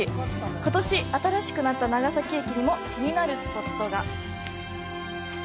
今年、新しくなった長崎駅にも気になるスポットが。